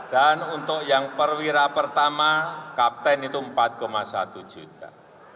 dan untuk yang perwira pertama kapten itu empat satu juta